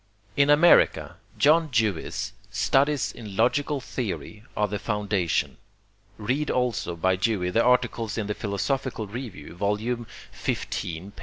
In America, John Dewey's 'Studies in Logical Theory' are the foundation. Read also by Dewey the articles in the Philosophical Review, vol. xv, pp.